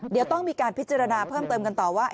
เดี๋ยวต้องมีการพิจารณาเพิ่มเติมกันต่อว่า